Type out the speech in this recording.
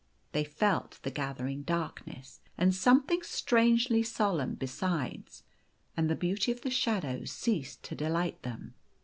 They felt the gathering darkness, and something strangely solemn besides, and the beauty of the shadows ceased to de light them.